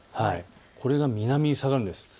これが南に下がるんです。